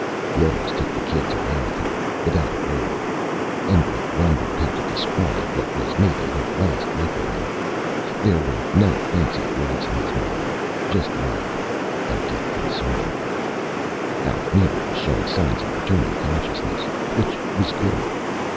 Rose took the kids away with her, without a word. Endlich wondered how to describe what was maybe her last look at him. There were no fancy words in his mind. Just Love. And deep concern. Alf Neely was showing signs of returning consciousness. Which was good.